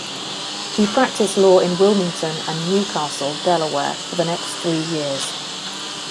He practiced law in Wilmington and New Castle, Delaware, for the next three years.